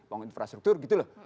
panggung infrastruktur gitu loh